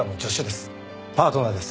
パートナーです。